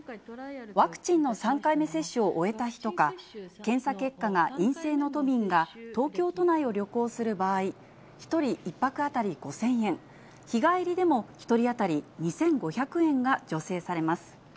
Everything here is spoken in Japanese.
ワクチンの３回目接種を終えた人か、検査結果が陰性の都民が東京都内を旅行する場合、１人１泊当たり５０００円、日帰りでも１人当たり２５００円が助成されます。